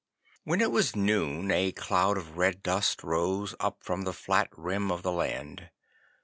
'When it was noon a cloud of red dust rose up from the flat rim of the land.